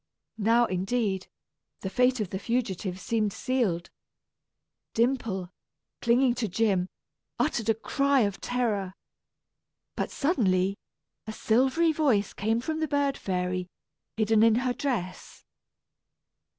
Now, indeed, the fate of the fugitives seemed sealed. Dimple, clinging to Jim, uttered a cry of terror. But suddenly, a silvery voice came from the bird fairy hidden in her dress.